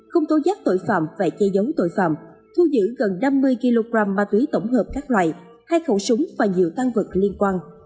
không tố giác tội phạm và che giấu tội phạm thu giữ gần năm mươi kg ma túy tổng hợp các loại hai khẩu súng và nhiều tăng vật liên quan